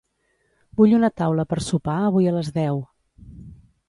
Vull una taula per sopar avui a les deu.